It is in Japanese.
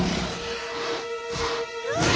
うわ！